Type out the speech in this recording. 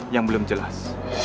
yang belum jelas